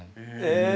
え